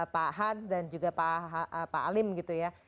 pak hat dan juga pak alim gitu ya